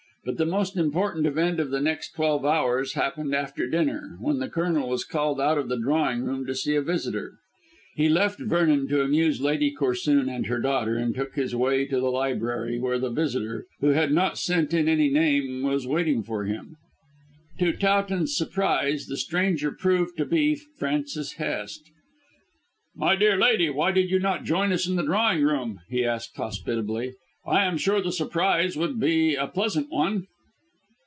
But the most important event of the next twelve hours happened after dinner, when the Colonel was called out of the drawing room to see a visitor. He left Vernon to amuse Lady Corsoon and her daughter and took his way to the library, where the visitor who had not sent in any name was waiting for him. To Towton's surprise, the stranger proved to be Frances Hest. "My dear lady, why did you not join us in the drawing room?" he asked hospitably. "I'm sure the surprise would be a pleasant one."